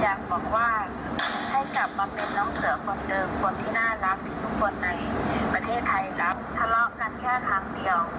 และแม่ก็จะไม่ติดใจอะไร